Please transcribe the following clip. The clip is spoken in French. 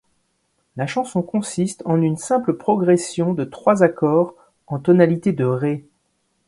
La chanson consiste en une simple progression de trois accords en tonalité de ré.